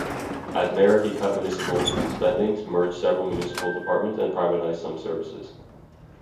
As mayor, he cut municipal spending, merged several municipal departments and privatized some services.